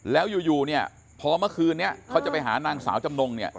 แล้วอยู่เนี่ยพอเมื่อคืนนี้เขาจะไปหานางสาวจำนงเนี่ย